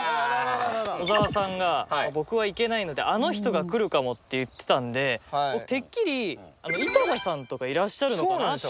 小沢さんが「僕は行けないのであの人が来るかも」って言ってたんでてっきり井戸田さんとかいらっしゃるのかなって。